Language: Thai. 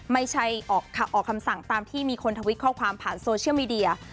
ไม่ใช่ออกคำสั่งตามที่มีคนทวิตข้อความผ่านโซเชียลมีเดีย